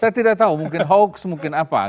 saya tidak tahu mungkin hoax mungkin apa